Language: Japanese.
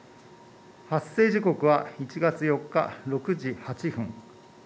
発生時刻は１月４日６時８分。